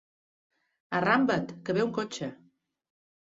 Arramba't, que ve un cotxe.